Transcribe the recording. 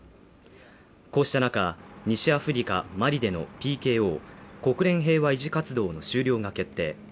こうした中、西アフリカ・マリでのＰＫＯ＝国連平和維持活動の終了が決定。